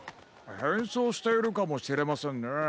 へんそうしているかもしれませんね。